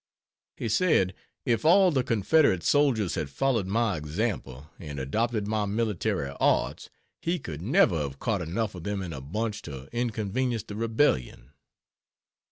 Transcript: He said if all the confederate soldiers had followed my example and adopted my military arts he could never have caught enough of them in a bunch to inconvenience the Rebellion.